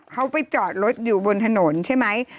เขาไปจอดรถอยู่บนถนนใช่ไหม